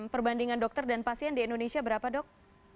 perbandingan dokter dan pasien di indonesia berapa dok